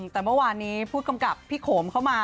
แต่เมื่อวานนี้ผู้กำกับพี่โขมเข้ามา